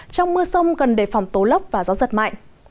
trong mưa sông gần đề phòng tố lốc và gió giật mạnh